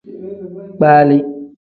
Kpali.